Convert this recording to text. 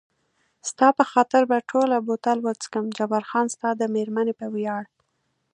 ستا په خاطر به ټوله بوتل وڅښم، جبار خان ستا د مېرمنې په ویاړ.